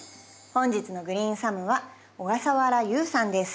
本日のグリーンサムは小笠原悠さんです。